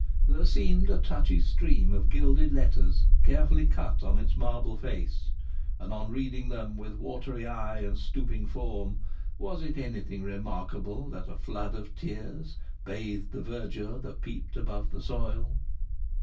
There seemed a touchy stream of gilded letters carefully cut on its marble face, and on reading them with watery eye and stooping form, was it anything remarkable that a flood of tears bathed the verdure that peeped above the soil?